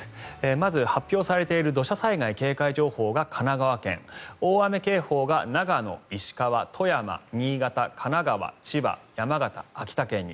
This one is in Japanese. まず発表されている土砂災害警戒情報が神奈川県大雨警報が長野、石川、富山、新潟神奈川、千葉、山形秋田県に。